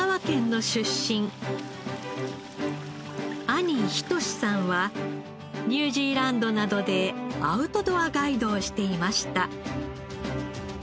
兄仁さんはニュージーランドなどでアウトドアガイドをしていました。